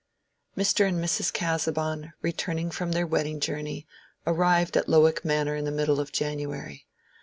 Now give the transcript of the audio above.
Mr. and Mrs. Casaubon, returning from their wedding journey, arrived at Lowick Manor in the middle of January.